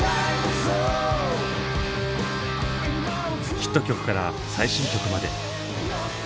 ヒット曲から最新曲まで。